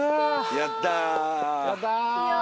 やったー！